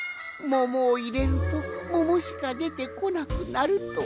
ももをいれるとももしかでてこなくなるとは。